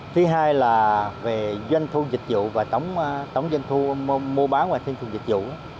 thứ hai là về doanh thu dịch vụ và tổng doanh thu mua bán và doanh thu dịch vụ